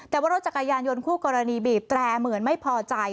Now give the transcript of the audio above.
แต่ว่ารถจักรยานยนต์คู่กรณีบีบแตร่เหมือนไม่พอใจ